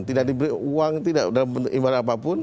tidak diberi uang tidak dalam imbalan apapun